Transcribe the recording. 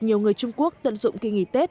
nhiều người trung quốc tận dụng kỳ nghỉ tết